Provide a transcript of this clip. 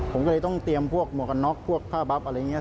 ผมก็เลยต้องเตรียมพวกหมวกกันน็อกพวกผ้าบับอะไรอย่างนี้